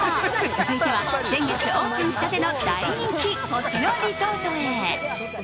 続いては先月オープンしたての大人気、星野リゾートへ。